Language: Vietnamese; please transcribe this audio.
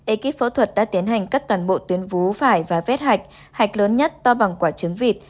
ekip phẫu thuật đã tiến hành cắt toàn bộ tuyến vú vải và vết hạch hạch lớn nhất to bằng quả trứng vịt